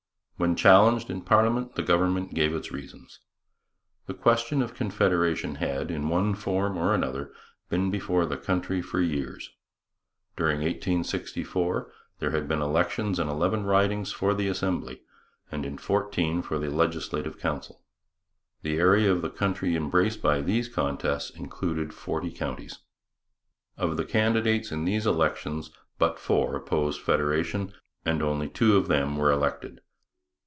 When challenged in parliament the government gave its reasons. The question of Confederation had, in one form or another, been before the country for years. During 1864 there had been elections in eleven ridings for the Assembly and in fourteen for the Legislative Council. The area of country embraced by these contests included forty counties. Of the candidates in these elections but four opposed federation and only two of them were elected.